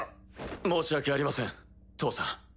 申し訳ありません父さん。